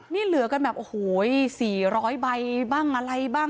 นี่เหลือกันแบบโอ้โห๔๐๐ใบบ้างอะไรบ้าง